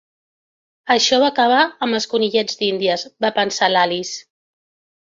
"Això va acabar amb els conillets d'índies!" va pensar l'Alice.